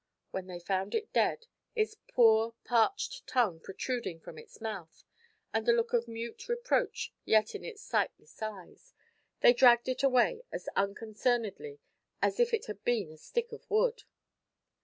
When they found it dead, its poor, parched tongue protruding from its mouth, and a look of mute reproach yet in its sightless eyes, they dragged it away as unconcernedly as if it had been a stick of wood.